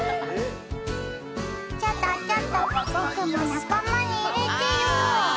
「ちょっとちょっと僕も仲間にいれてよ」